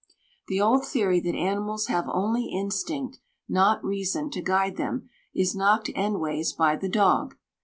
The old theory that animals have only instinct, not reason, to guide them, is knocked endways by the dog.